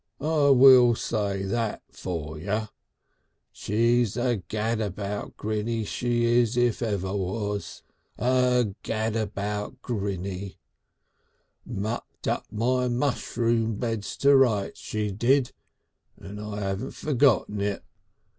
I will say that for ye. She's a gad about grinny, she is, if ever was. A gad about grinny. Mucked up my mushroom bed to rights, she did, and I 'aven't forgot it.